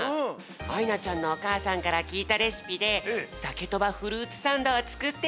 あいなちゃんのおかあさんからきいたレシピでサケとばフルーツサンドをつくってみたよ。